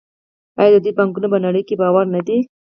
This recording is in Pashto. آیا د دوی بانکونه په نړۍ کې باوري نه دي؟